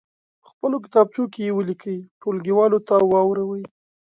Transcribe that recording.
په خپلو کتابچو کې یې ولیکئ ټولګیوالو ته واوروئ.